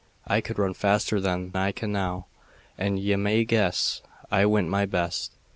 I could run faster then than I can now, and ye may guess I went my best.